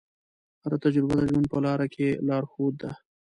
هره تجربه د ژوند په لاره کې لارښود ده.